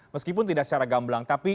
meskipun tidak secara gamblang tapi